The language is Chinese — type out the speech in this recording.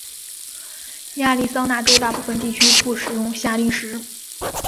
亚利桑那州大部分地区不使用夏令时。